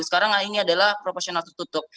sekarang ini adalah proporsional tertutup